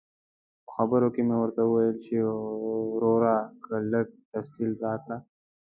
په خبرو کې مې ورته وویل چې ورورکه لږ تفصیل راکړه.